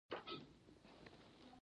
څوک چې بښنه کوي کامیابي هم لاسته راوړي.